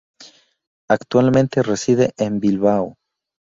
Actualmente reside en Bilbao.